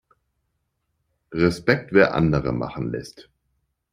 Respekt, wer andere machen lässt!